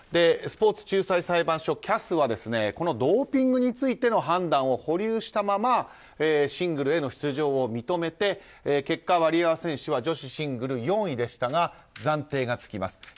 スポーツ仲裁裁判所・ＣＡＳはこのドーピングについての判断を保留したままシングルへの出場を認めて結果、ワリエワ選手は女子シングル４位でしたが暫定がつきます。